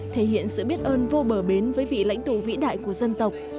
thể hiện sự biết ơn vô bờ bến với vị lãnh tụ vĩ đại của dân tộc